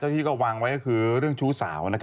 ที่ก็วางไว้ก็คือเรื่องชู้สาว